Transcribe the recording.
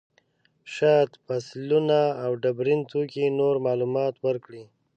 شاید فسیلونه او ډبرین توکي نور معلومات ورکړي.